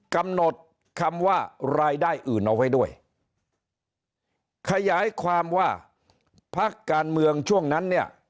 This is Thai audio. กำหนดคำว่ารายได้อื่นเอาไว้ด้วยขยายความว่าพักการเมืองช่วงนั้นเนี่ย